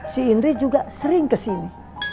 si indri juga sering kesini